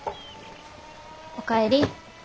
お帰り。